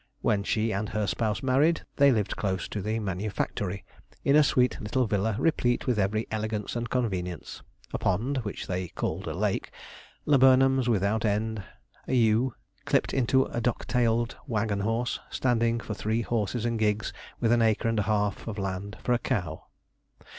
When she and her spouse married, they lived close to the manufactory, in a sweet little villa replete with every elegance and convenience a pond, which they called a lake laburnums without end; a yew, clipped into a dock tailed waggon horse; standing for three horses and gigs, with an acre and half of land for a cow.